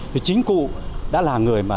thì chính cụ đã là người mà